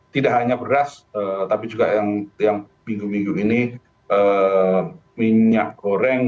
tidak hanya beras tapi juga yang minggu minggu ini minyak goreng